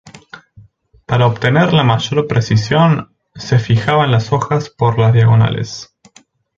Para obtener la mayor precisión, se fijaban las hojas por las diagonales.